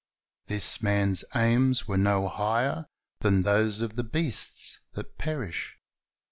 This man's aims were no higher than those of the beasts that perish.